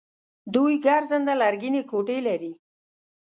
دوی ګرځنده لرګینې کوټې لري.